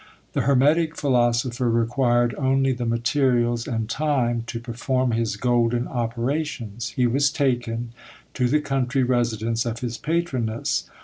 The hermetic philosopher required only the materials, and time, to perform his golden operations. He was taken, to the country residence of his patroness.